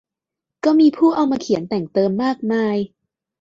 ก็มีผู้เอามาเขียนแต่งเติมมากมาย